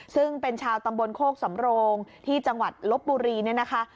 ซึ่งเป็นชาวตำบลโคกสำโรงที่จังหวัดลบบุรีเนี่ยนะคะ